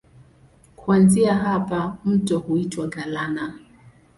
Kuanzia hapa mto huitwa Galana.